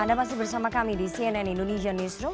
anda masih bersama kami di cnn indonesia newsroom